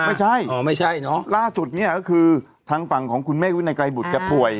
ไม่ใช่อ๋อไม่ใช่เนอะล่าสุดเนี่ยก็คือทางฝั่งของคุณเมฆวินัยไกรบุตรแกป่วย